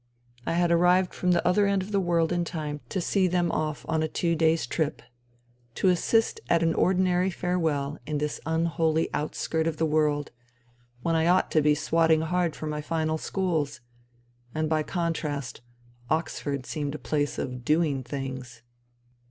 I had arrived from the other end of the earth in time to see them off on a two days. 254 FUTILITY trip : to assist at an ordinary farewell in this unholy outskirt of the world, when I ought to be swotting hard for my Final Schools ! And, by contrast, Oxford seemed a place of doing things.